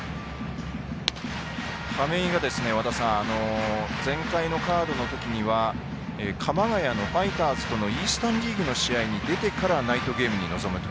亀井が和田さん前回のカードのときは鎌ケ谷でのファイターズのイースタンリーグの試合に出てからのナイトゲームでした。